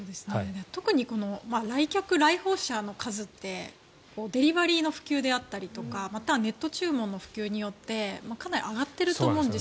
特にこの来客、来訪者の数ってデリバリーの普及だったりとかまたはネット注文の普及によってかなり上がっていると思うんです。